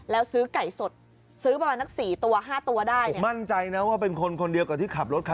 แล้วซื้อไก่สดซื้อประมาณสักสี่ตัวห้าตัวได้เนี่ยมั่นใจนะว่าเป็นคนคนเดียวกับที่ขับรถคัน